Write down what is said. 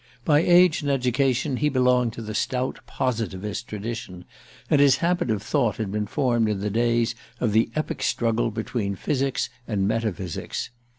By age and by education he belonged to the stout Positivist tradition, and his habit of thought had been formed in the days of the epic struggle between physics and metaphysics.